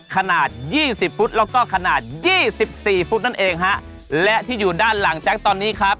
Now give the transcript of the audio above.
ขนาดยี่สิบฟุตแล้วก็ขนาดยี่สิบสี่ฟุตนั่นเองฮะและที่อยู่ด้านหลังแจ๊คตอนนี้ครับ